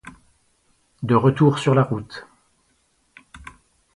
De retour sur la route.